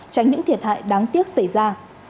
tránh những thiệt hại đáng tiếc xảy ra